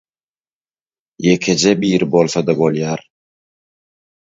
Ýekeje biri bolsa-da bolýar.